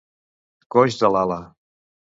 Coix de l'ala.